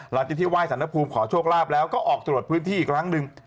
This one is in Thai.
หลังจากที่ไห้สรรคภูมิขอโชคลาภแล้วก็ออกตรวจพื้นที่อีกครั้งหนึ่ง